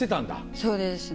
そうですね